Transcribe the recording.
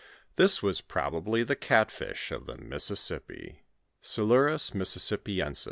f This was probably the cat fish of the Mississippi (Silurua Mimitippietmi).